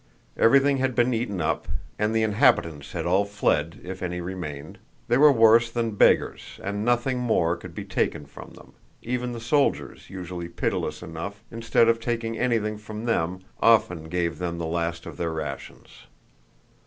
Everything had been eaten up and the inhabitants had all fled—if any remained, they were worse than beggars and nothing more could be taken from them; even the soldiers, usually pitiless enough, instead of taking anything from them, often gave them the last of their rations.